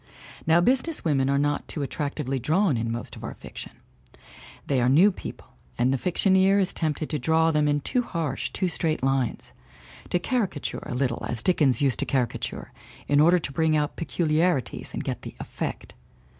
Now business women are not too attractively drawn in most of our fiction. They are new people, and the fictioneer is tempted to draw them in too harsh, too straight lines; to caricature a little as Dickens used to caricature, in order to bring out pecu liarities and get the "effect."